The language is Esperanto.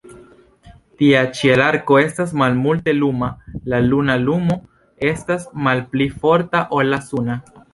Tia ĉielarko estas malmulte luma, la luna lumo estas malpli forta ol la suna.